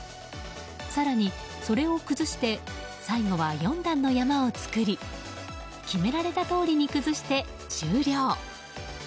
更にそれを崩して最後は４段の山を作り決められたとおりに崩して終了。